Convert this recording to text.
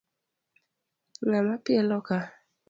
Ng'a mo pielo ka?